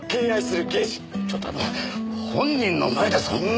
ちょっと本人の前でそんな。